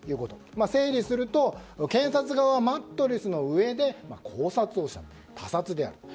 整理すると検察側はマットレスの上で絞殺をした他殺であると。